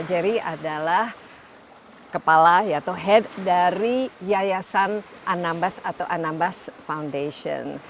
jerry adalah kepala atau head dari yayasan anambas atau anambas foundation